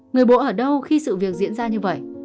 người bố ở đâu khi sự việc diễn ra như vậy